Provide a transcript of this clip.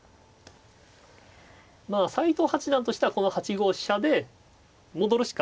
まあ斎藤八段としてはこの８五飛車で戻るしかないんで私が得しましたと。